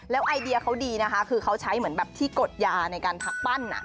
แล้วไอเดียเขาดีคือแล้วเขาใช้เหมือนที่กดยาในการพักปั้น